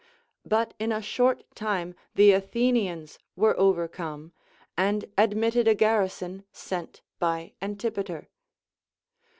But in a short time the Athenians were overcome, and admitted a garrison sent by Antipater.